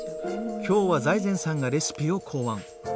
今日は財前さんがレシピを考案。